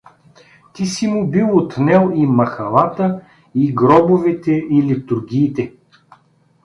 Ти си му бил отнел и махалата, и гробовете, и литургиите.